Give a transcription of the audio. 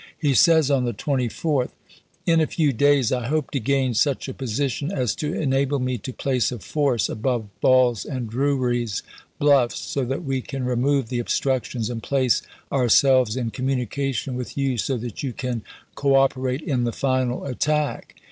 He says on the 24th: Jmie,i862. In a few days I hope to gain such a position as to en able me to place a force above Ball's and Drewry's bluffs, so that we can remove the obstructions and place our selves in communication with you so that you can cooper ^,^ ate in the final attack.